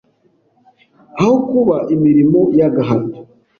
aho kuba imirimo y’agahato